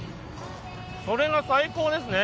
それが最高ですね。